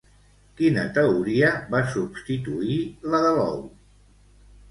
Quina teoria va substituir la de l'ou?